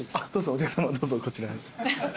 お客さまどうぞこちらです。